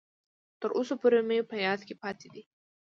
تر اوسه پورې مې په یاد کې پاتې ده.